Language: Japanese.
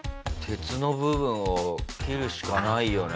鉄の部分を切るしかないよね。